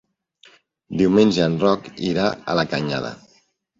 Diumenge en Roc irà a la Canyada.